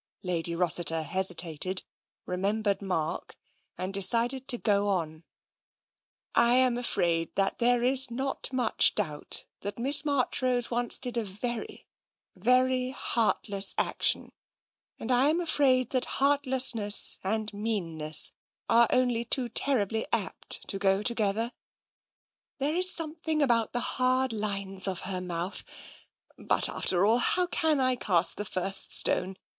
Lady Rossiter hesitated, remembered Mark, and de cided to go on. " I am afraid there is not much doubt that Miss Marchrose once did a very, very heartless action, and I am afraid that heartlessness and meanness are only too terribly apt to go together. There is something about the hard lines of her mouth — but after all, how can I cast the first stone?